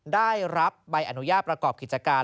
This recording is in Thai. ได้รับใบอนุญาตประกอบกิจการ